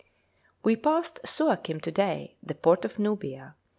We passed Souakim to day, the port of Nubia.